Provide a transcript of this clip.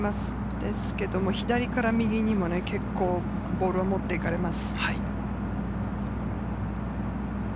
ですけれど左から右にも結構ボールを持っていかれます。